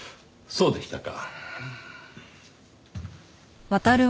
そうでしたか。